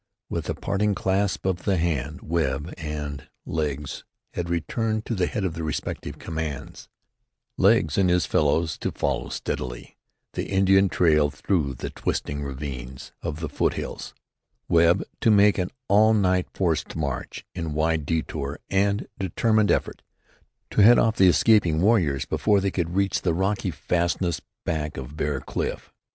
With a parting clasp of the hand Webb and "Legs" had returned to the head of their respective commands, "Legs" and his fellows to follow steadily the Indian trail through the twisting ravines of the foothills; Webb to make an all night forced march, in wide détour and determined effort, to head off the escaping warriors before they could reach the rocky fastnesses back of Bear Cliff.